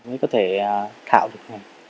mới có thể thạo được